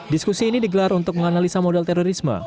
diskusi ini digelar untuk menganalisa modal terorisme